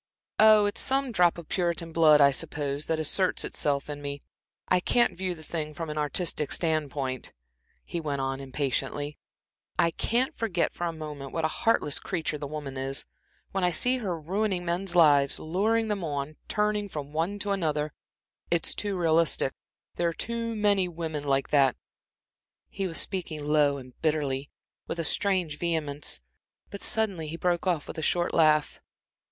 "Oh, it's some drop of Puritan blood, I suppose," he went on, impatiently, "that asserts itself in me. I can't view the thing from an artistic standpoint. I can't forget for a moment what a heartless creature the woman is. When I see her ruining men's lives, luring them on, turning from one to another it's too realistic there are too many women like that" He was speaking low and bitterly, with a strange vehemence, but suddenly he broke off, with a short laugh.